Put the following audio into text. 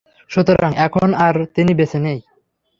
সুতরাং এখন আর তিনি বেঁচে নেই।